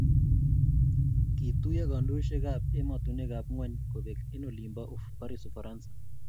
Kituyo kandoisiekab emotunwekab ngwony kobek eng olin bo Paris Ufaransa